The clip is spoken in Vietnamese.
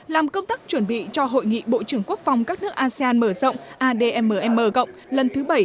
làm công tác chuẩn bị cho hội nghị bộ trưởng quốc phòng các nước asean mở rộng admm cộng lần thứ bảy